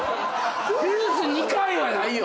トゥース２回はないよ。